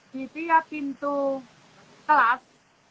di tiap pintu kelas